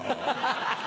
ハハハ。